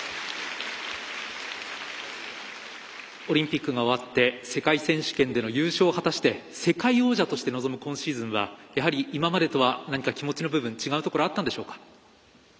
オリンピックが終わって世界選手権での優勝を果たして世界王者として臨む今シーズンは今までとは何か気持ちの部分違うところはあったんですか？